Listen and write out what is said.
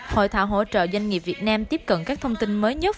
hội thảo hỗ trợ doanh nghiệp việt nam tiếp cận các thông tin mới nhất